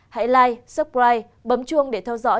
hãy like subscribe bấm chuông để theo dõi